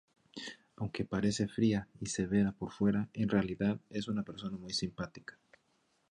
Aunque parece fría y severa por fuera, en realidad es una persona muy simpática.